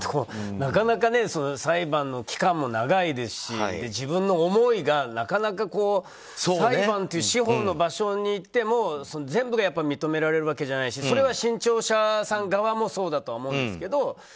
なかなか裁判の期間も長いですし自分の思いが、なかなか裁判という司法の場所に行っても全部が認められるわけじゃないしそれは新潮社さん側もそうだと思うんですけど。